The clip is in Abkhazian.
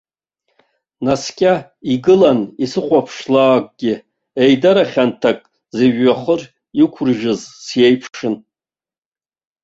Наскьа игылан исыхәаԥшлакгьы, еидара хьанҭак зыжәҩахыр иқәрыжьыз сиеиԥшын.